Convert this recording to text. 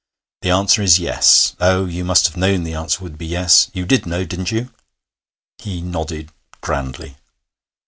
'The answer is yes. Oh, you must have known the answer would be yes! You did know, didn't you?' He nodded grandly.